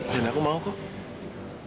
dan aku mau kok